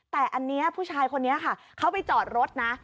แต่อันนี้ผู้ชายคนนี้ค่ะเขาไปจอดรถนะ